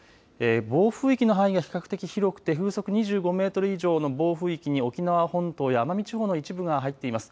暴風域の範囲が比較的広くて風速２５メートル以上の暴風域に沖縄本島や奄美地方の一部が入っています。